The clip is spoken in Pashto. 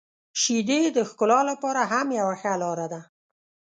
• شیدې د ښکلا لپاره هم یو ښه لاره ده.